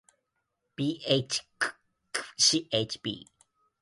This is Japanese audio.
bhghcb